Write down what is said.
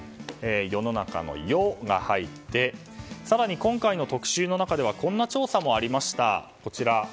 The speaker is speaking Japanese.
世の中の「ヨ」が入って更に今回の特集の中ではこんな調査もありました。